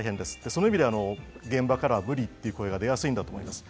その意味で、現場から無理という声が出やすいと思うんです。